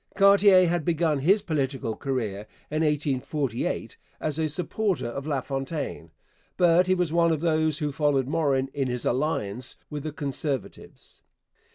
Cartier had begun his political career in 1848 as a supporter of LaFontaine, but he was one of those who followed Morin in his alliance with the Conservatives.